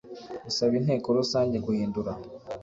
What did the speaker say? Gusaba Inteko Rusange guhindura